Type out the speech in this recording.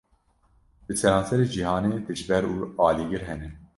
Li seranserê cîhanê, dijber û alîgir hene